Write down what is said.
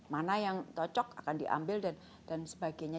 mana yang cocok akan diambil dan sebagainya